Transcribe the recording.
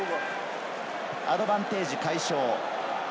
アドバンテージ解消。